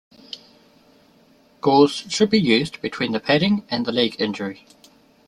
Gauze should be used between the padding and the leg injury.